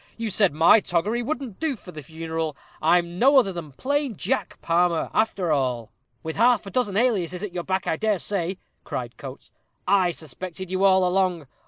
You said my toggery wouldn't do for the funeral. I'm no other than plain Jack Palmer, after all." "With half a dozen aliases at your back, I dare say," cried Coates. "I suspected you all along.